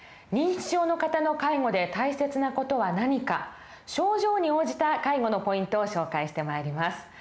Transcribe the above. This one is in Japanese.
認知症の方の介護で大切な事は何か症状に応じた介護のポイントを紹介してまいります。